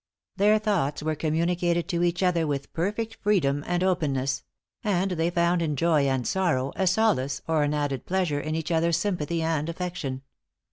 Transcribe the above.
Their thoughts were communicated to each other with perfect freedom and openness; and they found in joy and sorrow, a solace, or an added pleasure, in each other's sympathy and affection.